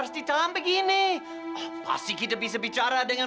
sampai jumpa di video selanjutnya